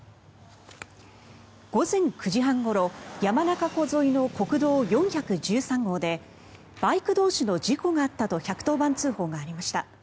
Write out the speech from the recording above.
午前９時半ごろ山中湖沿いの国道４１３号でバイク同士の事故があったと１１０番通報がありました。